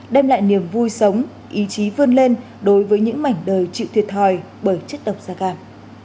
đem lại niềm vui sống ý chí vươn lên đối với những mảnh đời chịu thiệt thòi bởi chất độc da cam